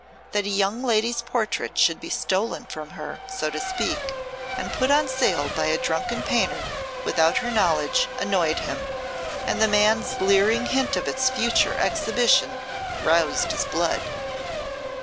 That a young lady's portrait should be stolen from her, so to speak, and put on sale by a drunken painter without her knowledge, annoyed him and the man's leering hint of its future exhibition roused his blood.